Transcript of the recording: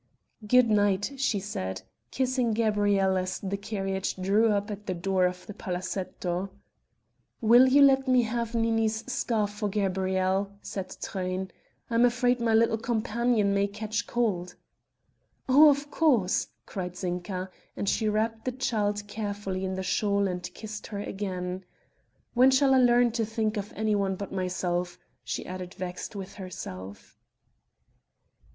"Good night," she said, kissing Gabrielle as the carriage drew up at the door of the palazetto. "Will you let me have Nini's scarf for Gabrielle?" said Truyn. "I am afraid my little companion may catch cold." "Oh! of course," cried Zinka, and she wrapped the child carefully in the shawl and kissed her again; "when shall I learn to think of anyone but myself?" she added vexed with herself.